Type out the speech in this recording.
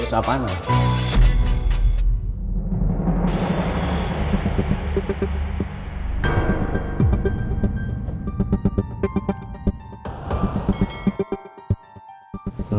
lulus apa aneh bro